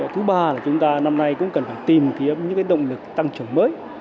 thứ ba là chúng ta năm nay cũng cần phải tìm kiếm những động lực tăng trưởng mới